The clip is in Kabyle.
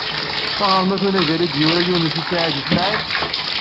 Teɣramt ungal ay d-yura Yunes u Saɛid u Smaɛil?